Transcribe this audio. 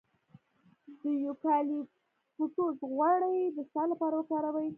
د یوکالیپټوس غوړي د ساه لپاره وکاروئ